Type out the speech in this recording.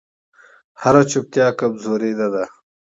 هره چوپتیا کمزوري نه ده